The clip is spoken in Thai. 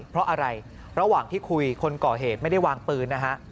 เพราะอะไรระหว่างที่คุยคนก่อเหตุไม่ได้วางปืนนะฮะ